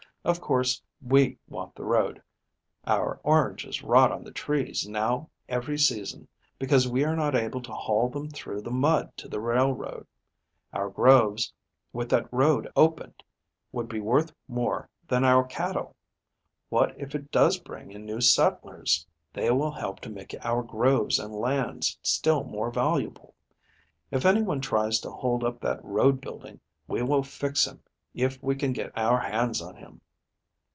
Of course, we want the road. Our oranges rot on the trees now every season, because we are not able to haul them through the mud to the railroad. Our groves, with that road opened, would be worth more than our cattle. What if it does bring in new settlers? They will help to make our groves and lands still more valuable. If any one tries to hold up that road building we will fix him if we can get our hands on him."